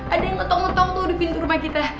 ada yang ngetok ngetok tuh di pintu rumah kita